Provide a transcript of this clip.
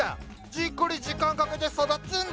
じっくり時間かけて育つんダヨ。